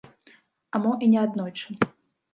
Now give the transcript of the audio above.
А мо і неаднойчы.